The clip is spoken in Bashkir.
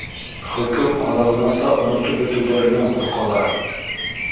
—Хөкөм аҙағынаса онотоп бөтәүҙәренән ҡур- ҡалар.